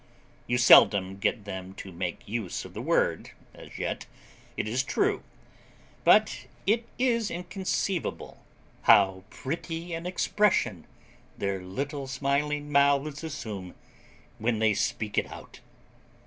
You seldom get them to make use of the word as yet, it is true; but it is inconceivable how pretty an expression their little smiling mouths assume when they speak it out.